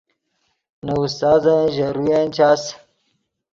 نے استازن ژے روین چاس